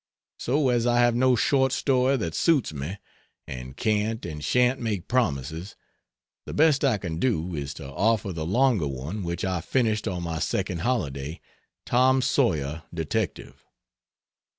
So as I have no short story that suits me (and can't and shan't make promises), the best I can do is to offer the longer one which I finished on my second holiday "Tom Sawyer, Detective."